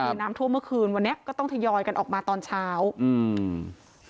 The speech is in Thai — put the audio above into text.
คือน้ำท่วมเมื่อคืนวันนี้ก็ต้องทยอยกันออกมาตอนเช้าอืม